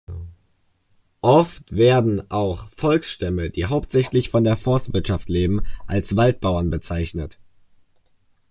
Oft werden auch Volksstämme, die hauptsächlich von der Forstwirtschaft leben, als Waldbauern bezeichnet.